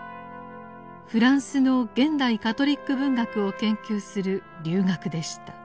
フランスの現代カトリック文学を研究する留学でした。